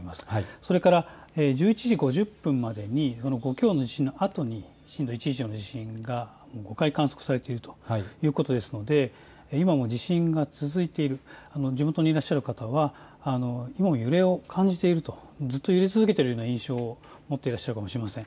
それから１１時５０分までに５強の地震のあとに震度１以上の地震が５回観測されているということですので今も地震が続いている、地元にいらっしゃる方は今も揺れを感じていると、ずっと揺れ続けているような印象を持っていらっしゃるかもしれません。